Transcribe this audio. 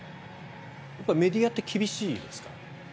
メディアって厳しいですか？